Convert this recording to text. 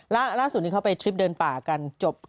ล่าสุดนี้เขาไปทริปเดินป่ากันจบ